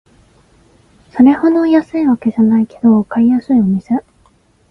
それほど安いわけじゃないけど買いやすいお店